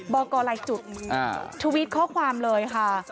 บอกกรลายจุดทวิตข้อความเลยค่ะ